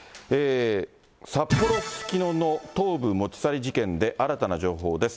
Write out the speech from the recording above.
札幌・すすきのの頭部持ち去り事件で新たな情報です。